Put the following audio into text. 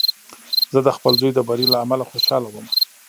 زه د خپل زوی د بري له امله خوشحاله وم.